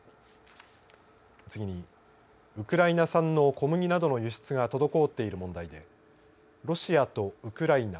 次にウクライナ産の小麦などの輸出が滞っている問題でロシアとウクライナ